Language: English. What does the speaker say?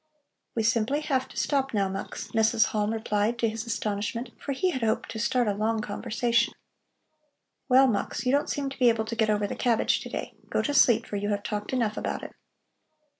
"We simply have to stop now, Mux," Mrs. Halm replied to his astonishment, for he had hoped to start a long conversation. "Well, Mux, you don't seem to be able to get over the cabbage to day. Go to sleep, for you have talked enough about it."